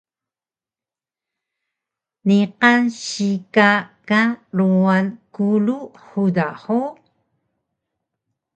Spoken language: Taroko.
Niqan sika ka ruwan kulu huda hug?